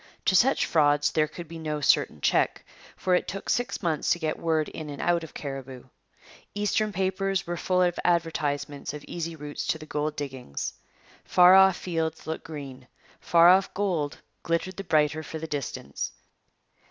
To such frauds there could be no certain check; for it took six months to get word in and out of Cariboo. Eastern papers were full of advertisements of easy routes to the gold diggings. Far off fields look green. Far off gold glittered the brighter for the distance.